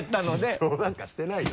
失踪なんかしてないよ。